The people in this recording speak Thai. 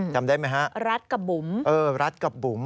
จำได้ไหมฮะรัดกับบุ๋มเออรัดกับบุ๋ม